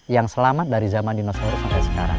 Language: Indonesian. yang selamat dari zaman dinosaurus sampai sekarang